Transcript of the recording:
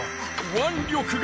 腕力が。